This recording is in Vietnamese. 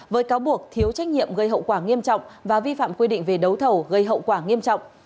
với cáo buộc thiếu trách nhiệm gây hậu quả nghiêm trọng và vi phạm quy định về đấu thầu gây hậu quả nghiêm trọng